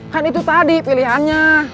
kan itu tadi pilihannya